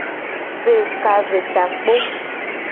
Pe ka ve takpo.